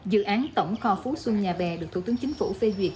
dự án tổng kho phú xuân nhà bè được thủ tướng chính phủ phê duyệt